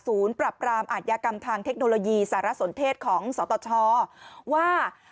ปรับปรามอาทยากรรมทางเทคโนโลยีสารสนเทศของสตชว่า